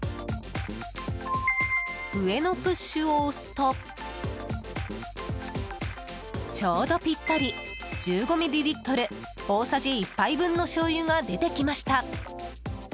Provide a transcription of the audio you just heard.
上の「ＰＵＳＨ」を押すとちょうどぴったり１５ミリリットル大さじ１杯分のしょうゆが出てきました。